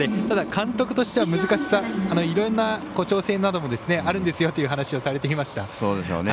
ただ、監督としては難しさいろんな調整などもあるんですよと話をしていました。